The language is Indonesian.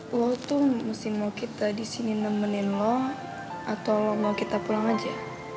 lo tuh mesti mau kita disini nemenin lo atau lo mau kita pulang aja